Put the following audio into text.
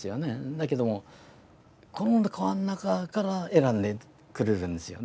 だけどもこの革の中から選んでくれるんですよ。